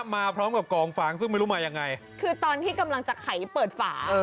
มาพร้อมกับกองฟางซึ่งไม่รู้มายังไงคือตอนที่กำลังจะไขเปิดฝา